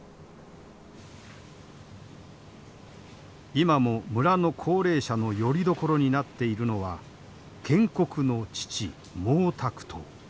今も村の高齢者のよりどころになっているのは建国の父毛沢東。